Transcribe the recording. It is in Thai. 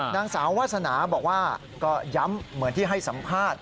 นางสาววาสนาบอกว่าก็ย้ำเหมือนที่ให้สัมภาษณ์